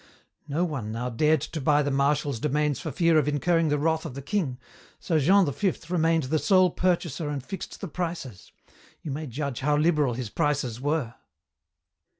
No one now dared to buy the Marshal's domains for fear of incurring the wrath of the king, so Jean V remained the sole purchaser and fixed the prices. You may judge how liberal his prices were.